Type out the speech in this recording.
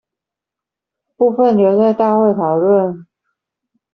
部分留在大會討論